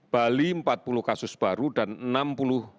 bali empat puluh kasus baru dan enam puluh orang